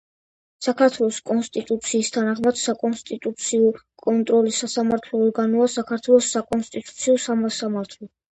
საქართველოს კონსტიტუციის თანახმად საკონსტიტუციო კონტროლის სასამართლო ორგანოა საქართველოს საკონსტიტუციო სასამართლო.